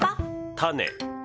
種。